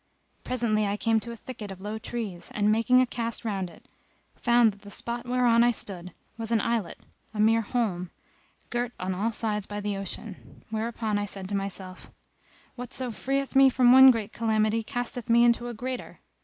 Presently I came to a thicket of low trees; and, making a cast round it, found that the spot whereon I stood was an islet, a mere holm, girt on all sides by the ocean; whereupon I said to myself, "Whatso freeth me from one great calamity casteth me into a greater!"